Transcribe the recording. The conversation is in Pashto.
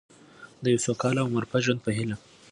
د یو سوکاله او مرفه ژوند په هیله.